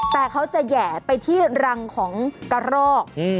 แต่เขาจะแห่ไปที่รังของกระรอก